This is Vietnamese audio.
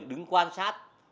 đứng quan sát